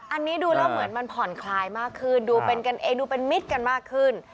อันนี้ดูแล้วเหมือนมันผ่อนคลายมากขึ้นดูเป็นมิตรกันมากขึ้น